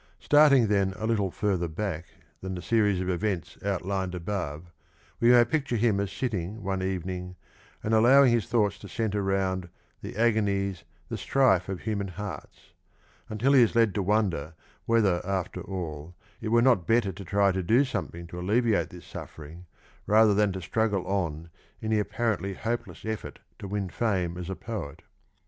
Starting then a little further back than the series of events outlined above, we may picture him as sitting one evening, and allowing his thoughts to centre round " the agonies, the strife of human hearts," until he is led to wonder whether after all it were not better to try to do something to alleviate this suffering rather than to struggle on in the apparently hopeless effort to win fame as a poet.